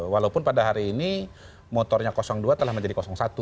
walaupun pada hari ini motornya dua telah menjadi satu